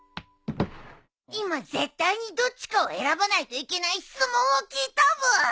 今絶対にどっちかを選ばないといけない質問を聞いたブー。